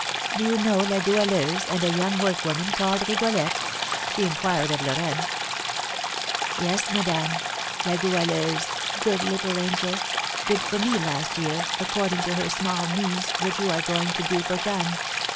"Do you know La Goualeuse and a young workwoman called Rigolette?" she inquired of Lorraine. "Yes, madame; La Goualeuse good little angel! did for me last year, according to her small means, what you are going to do for Jeanne.